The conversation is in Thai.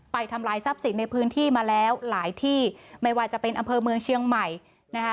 ทำลายทรัพย์สินในพื้นที่มาแล้วหลายที่ไม่ว่าจะเป็นอำเภอเมืองเชียงใหม่นะคะ